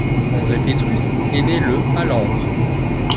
André Pétrus est né le à Langres.